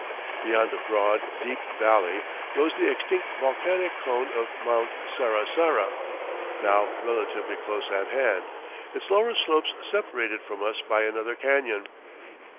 Beyond a broad, deep valley rose the extinct volcanic cone of Mt. Sarasara, now relatively close at hand, its lower slopes separated from us by another canyon.